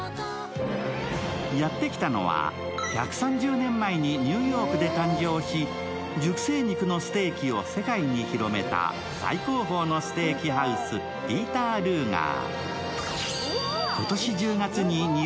やって来たのは１３０年前にニューヨークで誕生し熟成肉のステーキを世界に広めた最高峰のステーキハウス、ピーター・ルーガー。